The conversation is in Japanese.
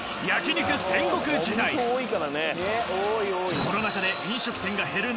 コロナ禍で飲食店が減る中